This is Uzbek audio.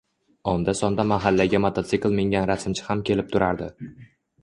Onda-sonda mahallaga mototsikl mingan rasmchi ham kelib turardi.